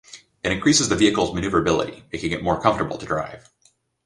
It increases the vehicle's maneuverability, making it more comfortable to drive.